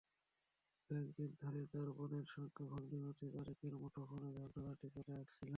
কয়েক দিন ধরে তাঁর বোনের সঙ্গে ভগ্নিপতি তারেকের মুঠোফোনে ঝগড়াঝাঁটি চলে আসছিল।